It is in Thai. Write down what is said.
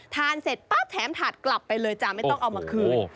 เสร็จปั๊บแถมถาดกลับไปเลยจ้ะไม่ต้องเอามาคืน